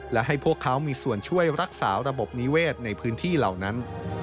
และให้พวกเขามีส่วนช่วยรักษาระบบนิเวศในพื้นที่เหล่านั้น